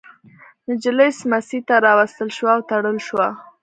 نجلۍ سمڅې ته راوستل شوه او تړل شوه.